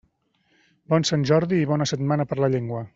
Bon Sant Jordi i bona Setmana per la Llengua!